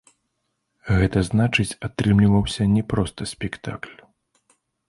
Гэта значыць, атрымліваўся не проста спектакль.